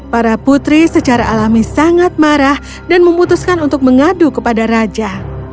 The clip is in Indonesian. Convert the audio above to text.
para putri secara alami sangat marah dan memutuskan untuk mengadu kepada raja